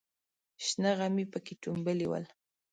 شنه غمي پکې ټومبلې ول.